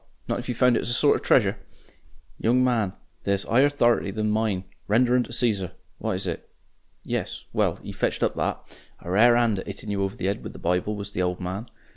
not if you found it as a sort of treasure?' 'Young man,' 'e says, 'there's 'i'er 'thority than mine Render unto Caesar' what is it? Yes. Well, he fetched up that. A rare 'and at 'itting you over the 'ed with the Bible, was the old man.